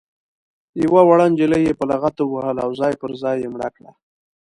یوه وړه نجلۍ یې په لغته ووهله او ځای پر ځای یې مړه کړه.